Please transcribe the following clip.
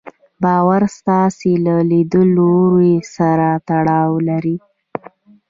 باور ستاسې له ليدلوري سره تړاو لري.